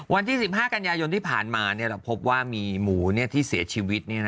วันที่๑๕กันยายนที่ผ่านมาเราพบว่ามีหมูที่เสียชีวิต